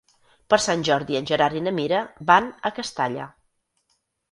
Per Sant Jordi en Gerard i na Mira van a Castalla.